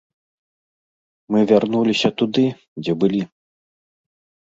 Мы вярнуліся туды, дзе былі.